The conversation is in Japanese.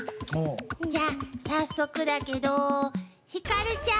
じゃあ早速だけどひかるちゃん。